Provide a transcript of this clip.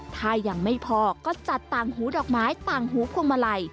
ถ้ายังไม่พอก็จัดต่างหูดอกไม้ต่างหูพวงมาลัย